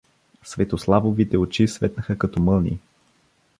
Светославовите очи светнаха като мълнии.